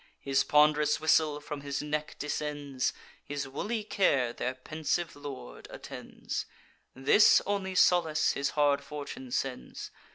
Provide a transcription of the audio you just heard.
His pond'rous whistle from his neck descends; His woolly care their pensive lord attends: This only solace his hard fortune sends.